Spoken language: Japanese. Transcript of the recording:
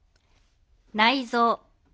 内臓。